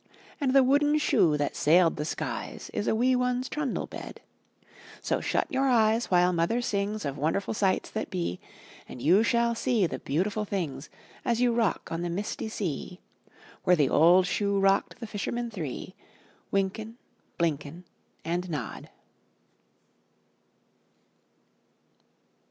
And the wooden shoe that sailed the skies Is a wee one's trundle bed. So shut your eyes while mother sings Of wonderful sights that be, And you shall see the beautiful things As you rock on the misty sea. Where the old Shoe rocked the fishermen three; Wynken, Blynken, and Nod.